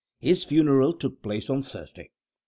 His funeral took place on Thursday.